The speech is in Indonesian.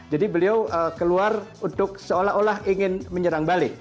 jadi beliau keluar untuk seolah olah ingin menyerang balik